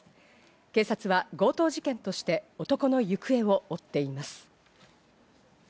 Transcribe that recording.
警察は強盗事件として男の行方を追っています。